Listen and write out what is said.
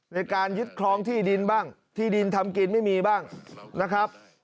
ในการยึดครองที่ดินบ้างที่ดินทำกินไม่มีบ้างนะครับ